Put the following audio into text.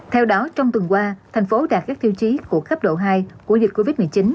theo đó trong tuần qua thành phố đạt các tiêu chí của cấp độ hai của dịch covid một mươi chín